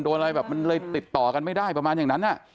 อะไรแบบมันเลยติดต่อกันไม่ได้ประมาณอย่างนั้น